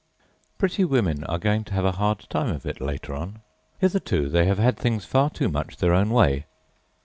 PRETTY women are going to have a hard time of it later on. Hitherto, they have had things far too much their own way.